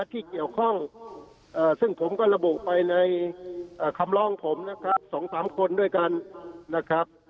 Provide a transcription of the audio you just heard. ที่เกี่ยวข้องซึ่งผมก็ระบุไปในคำร้องผมนะครับ๒๓คนด้วยกันนะครับ